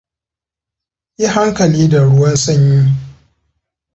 Yi hankali da ruwan sanyi.